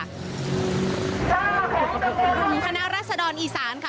กลุ่มคณะรัศดรอีสานค่ะ